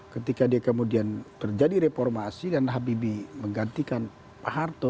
ketika dia kemudian terjadi reformasi dan habibie menggantikan pak harto